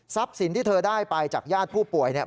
สินที่เธอได้ไปจากญาติผู้ป่วยเนี่ย